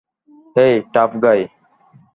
হেই, tough গাই।